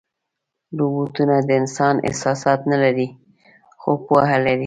روبوټونه د انسان احساسات نه لري، خو پوهه لري.